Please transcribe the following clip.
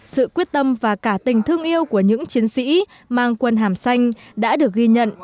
sự quyết tâm và cả tình thương yêu của những chiến sĩ mang quân hàm xanh đã được ghi nhận